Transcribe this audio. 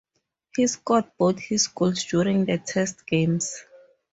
He scored both his goals during the test games.